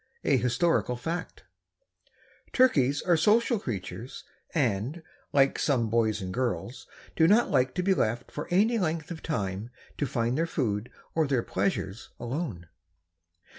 A HISTORICAL FACT. Turkeys are social creatures and, like some boys and girls, do not like to be left for any length of time to find their food or their pleasures alone.